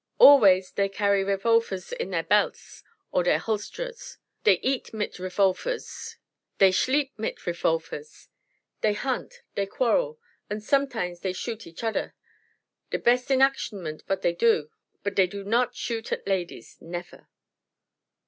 Always dey carry refolfers in deir belts or deir holsterses. Dey eat mit refolfers; dey schleep mit refolfers; dey hunt, dey quarrel, unt sometimes dey shoot each odder de best enactionment vot dey do. Bud dey do nod shoot at ladies nefer."